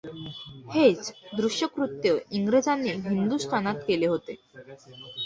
हेच दुष्कृत्य इंग्रजांनी हिंदुस्थानात केले होते.